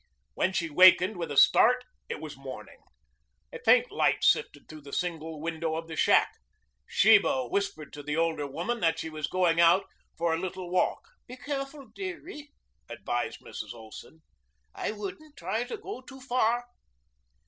When she wakened with a start it was morning. A faint light sifted through the single window of the shack. Sheba whispered to the older woman that she was going out for a little walk. "Be careful, dearie," advised Mrs. Olson. "I wouldn't try to go too far."